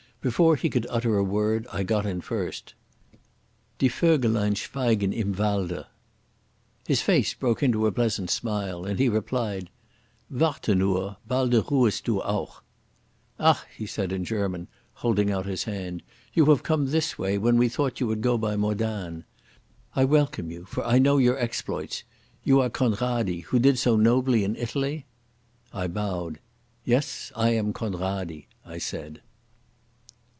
Before he could utter a word I got in first. "Die Vögelein schweigen im Walde," I said. His face broke into a pleasant smile, and he replied: "Warte nur, balde ruhest du auch." "Ach," he said in German, holding out his hand, "you have come this way, when we thought you would go by Modane. I welcome you, for I know your exploits. You are Conradi, who did so nobly in Italy?" I bowed. "Yes, I am Conradi," I said.